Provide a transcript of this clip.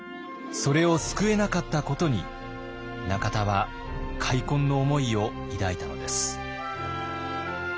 それを救えなかったことに中田は悔恨の思いを抱いたのです。